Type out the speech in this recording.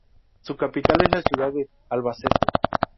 Su capital es la ciudad de Albacete.